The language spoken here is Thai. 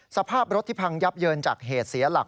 สภาพรถที่พังยับเยินจากเหตุเสียหลัก